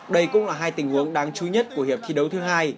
đây cũng là hai tình huống đáng chú nhất của hiệp thi đấu thứ hai